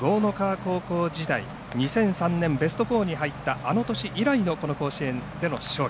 高校時代２００３年、ベスト４に入った、あの年以来の甲子園での勝利。